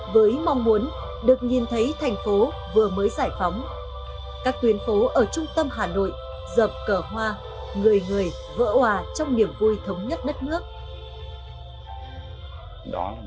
với mong muốn được nhìn thấy thành phố vừa mới giải phóng các tuyến phố ở trung tâm hà nội dợp cờ hoa người người vỡ hòa trong niềm vui thống nhất đất nước